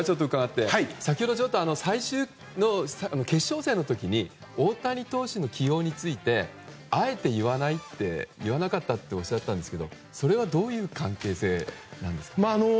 先ほど、最終の決勝戦の時に大谷投手の起用についてあえて言わなかったっておっしゃってたんですけどそれはどういう関係性なんですか？